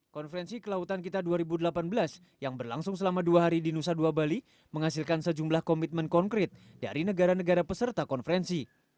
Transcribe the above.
konferensi kelautan kita dua ribu delapan belas yang berlangsung selama dua hari di nusa dua bali menghasilkan sejumlah komitmen konkret dari negara negara peserta konferensi